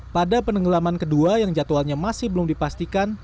pada penenggelaman kedua yang jadwalnya masih belum dipastikan